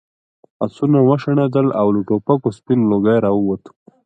آسونه وشڼېدل او له ټوپکو سپین لوګی راووت.